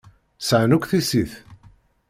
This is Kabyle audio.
Sεan akk tissit.